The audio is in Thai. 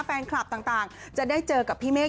แฟนคลับต่างจะได้เจอกับพี่เมฆ